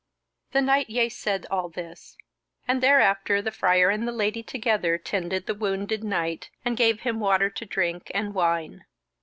The knight yeasaid all this, and thereafter the Friar and the Lady together tended the wounded knight, and gave him water to drink, and wine.